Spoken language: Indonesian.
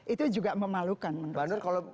itu juga memalukan menurut saya